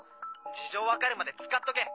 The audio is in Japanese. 事情分かるまで使っとけ。